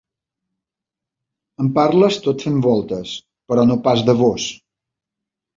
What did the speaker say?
Em parles tot fent voltes però no pas de vós.